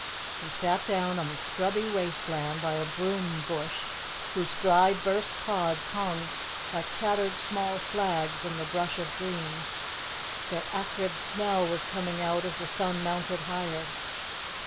He sat down on the scrubby waste land by a broom bush, whose dry, burst pods hung like tattered black flags in the brush of green; their acrid smell was coming out as the sun mounted higher.